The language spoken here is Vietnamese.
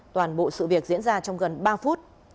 toàn bộ sự việc diễn ra trong gần ba phút